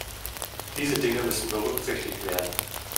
Diese Dinge müssen berücksichtigt werden.